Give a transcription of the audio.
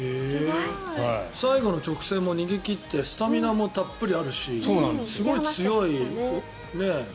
最後の直線も逃げ切ってスタミナもたっぷりあるしすごい強いね。